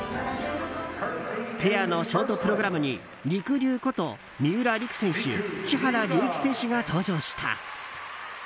ペアのショートプログラムにりくりゅうこと三浦璃来選手、木原龍一選手が登場した。